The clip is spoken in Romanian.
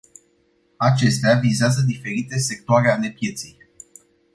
Acestea vizează diferite sectoare ale pieței.